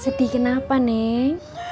sedih kenapa neng